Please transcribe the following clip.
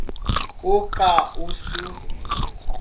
Ocauçu